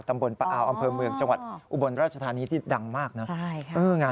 ตำบลปะอาวอำเภอเมืองจังหวัดอุบลราชธานีที่ดังมากนะใช่ค่ะ